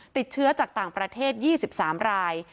ติดเชื้อจากต่างประเทศ๒๓ราย